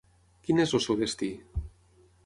Quin és el seu destí?